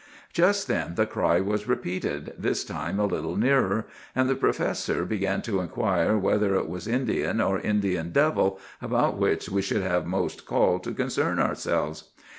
"Just then the cry was repeated, this time a little nearer; and the professor began to inquire whether it was Indian or Indian devil about which we should have most call to concern ourselves.